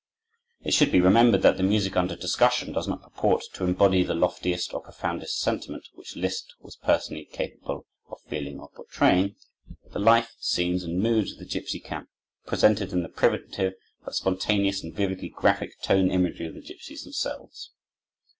It should be remembered that the music under discussion does not purport to embody the loftiest or profoundest sentiment which Liszt was personally capable of feeling or portraying, but the life, scenes, and moods of the gipsy camp, presented in the primitive, but spontaneous and vividly graphic, tone imagery of the gipsies themselves.